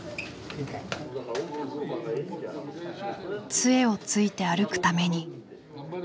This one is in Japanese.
杖をついて歩くために。